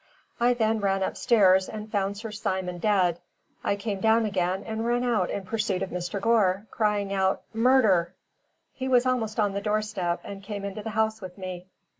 I then ran upstairs, and found Sir Simon dead. I came down again and ran out in pursuit of Mr. Gore, crying out, 'Murder!' He was almost on the doorstep and came into the house with me.